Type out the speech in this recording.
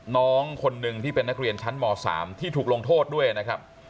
น้องคนหนึ่งที่เป็นนักเรียนชั้นม๓ที่ถูกลงโทษด้วยนะครับ